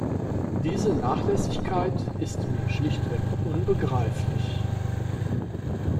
Diese Nachlässigkeit ist mir schlichtweg unbegreiflich.